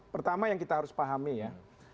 pertama yang kita harus pahami ya